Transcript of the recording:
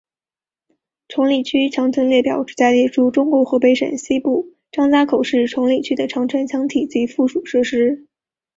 崇礼区长城列表旨在列出中国河北省西部张家口市崇礼区的长城墙体及附属设施。